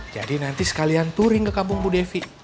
jadi nanti sekalian touring ke kampung bu devi